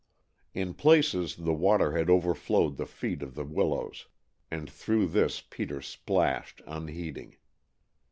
In places the water had overflowed the feet of the willows, and through this Peter splashed unheeding.